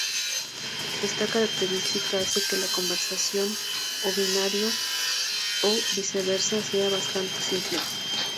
Esta característica hace que la conversión a binario o viceversa sea bastante simple.